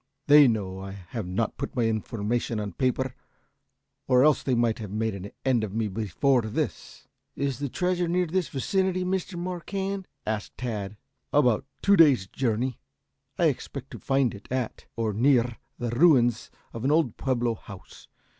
They know that I have not put my information on paper, or else they might have made an end of me before this." "Is the treasure near this vicinity, Mr. Marquand?" asked Tad. "About two days' journey. I expect to find it at or near the ruins of an old Pueblo house.